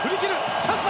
チャンスだ！